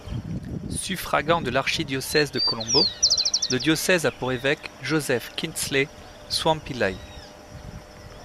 Suffragant de l’archidiocèse de Colombo, le diocèse a pour évêque Joseph Kingsley Swampillai.